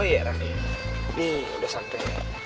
oh iya raffi nih udah sampe